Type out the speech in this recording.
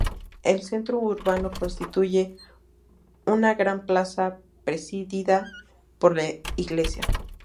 El centro urbano lo constituye una gran plaza presidida por la iglesia.